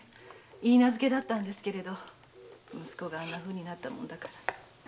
許嫁だったんですが息子があんなふうになったものだから。